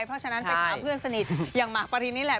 เพราะฉะนั้นไปหาเพื่อนสนิทอย่างหมากปรินนี่แหละ